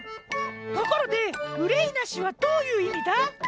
ところで「うれいなし」はどういういみだ？